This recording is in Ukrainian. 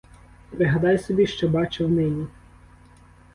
Пригадай собі, що бачив нині.